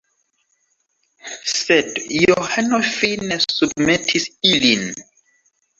Sed Johano fine submetis ilin.